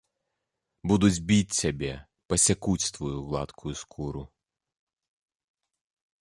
Будуць біць цябе, пасякуць тваю гладкую скуру.